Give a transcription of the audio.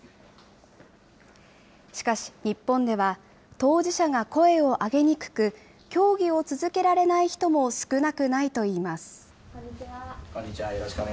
しかし、日本では当事者が声を上げにくく、競技を続けられない人も少なくないといいます。